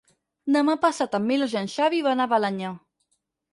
Demà passat en Milos i en Xavi van a Balenyà.